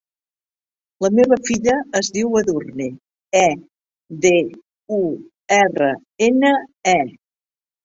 La meva filla es diu Edurne: e, de, u, erra, ena, e.